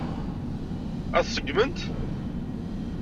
Ad t-seggment?